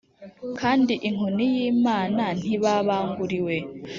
kandi inkoni y’imana ntibabanguriwe